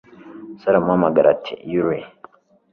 Se aramuhamagara ati: "Yully."